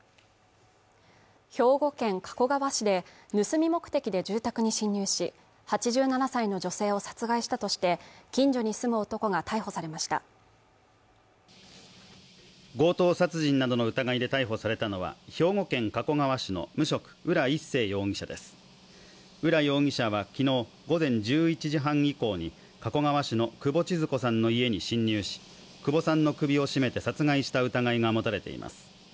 兵庫県加古川市で盗み目的で住宅に侵入し８７歳の女性を殺害したとして近所に住む男が逮捕されました強盗殺人などの疑いで逮捕されたのは兵庫県加古川市の無職浦一生容疑者です浦容疑者はきのう午前１１時半以降に加古川市の久保千鶴子さんの家に侵入し久保さんの首を絞めて殺害した疑いが持たれています